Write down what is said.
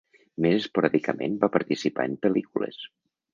Més esporàdicament va participar en pel·lícules.